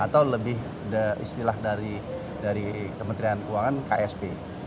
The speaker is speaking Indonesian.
atau lebih istilah dari kementerian keuangan ksp